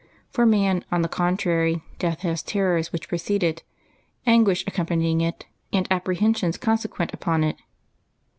For man, on the con trary, death has terrors which precede it, anguish accom panying it, and apprehensions consequent upon it.